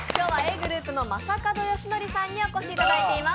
ｇｒｏｕｐの正門良規さんにお越しいただいています。